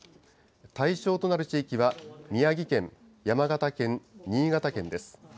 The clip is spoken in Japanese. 対象となる地域は、宮城県、山形県、新潟県です。